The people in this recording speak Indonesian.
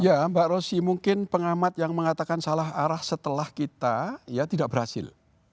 ya mbak rosy mungkin pengamat yang mengatakan salah arah setelah kita ya tidak berhasil